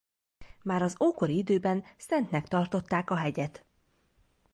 Már az ókori időben szentnek tartották a hegyet.